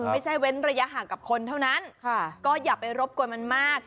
เว้นระยะห่างกับคนเท่านั้นก็อย่าไปรบกวนมันมาก